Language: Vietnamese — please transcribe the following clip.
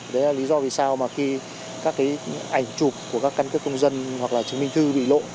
đấy là lý do vì sao mà khi các cái ảnh chụp của các căn cước công dân hoặc là chứng minh thư bị lộ